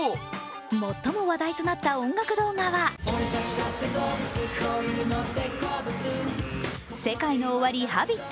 最も話題となった音楽動画はＳＥＫＡＩＮＯＯＷＡＲＩ、「Ｈａｂｉｔ」。